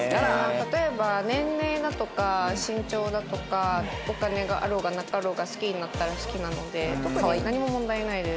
例えば年齢だとか身長だとかお金があろうがなかろうが好きになったら好きなので特に何も問題ないです。